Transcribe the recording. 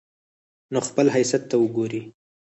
نه خپل حيثت ته وګوري